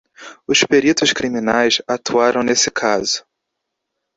Os peritos criminais atuaram nesse caso.